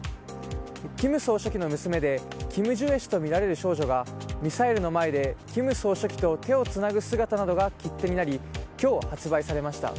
金総書記の娘でキム・ジュエ氏とみられる少女がミサイルの前で金総書記と手をつなぐ姿などが切手になり今日、発売されました。